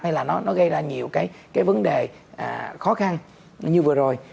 hay là nó gây ra nhiều cái vấn đề khó khăn như vừa rồi